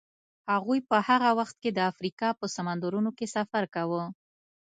هغوی په هغه وخت کې د افریقا په سمندرونو کې سفر کاوه.